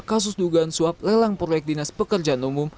kasus dugaan suap lelang proyek dinas pekerjaan umum